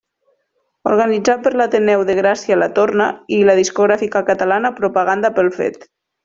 Organitzat per l'Ateneu de Gràcia La Torna i la discogràfica catalana Propaganda pel fet.